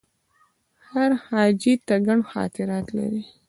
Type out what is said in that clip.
هر حاجي ته ګڼ خاطرات لري.